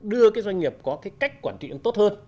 đưa cái doanh nghiệp có cái cách quản trị tốt hơn